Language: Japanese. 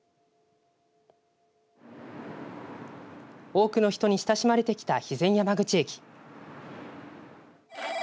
多くの人に親しまれてきた肥前山口駅。